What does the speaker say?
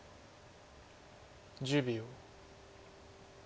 １０秒。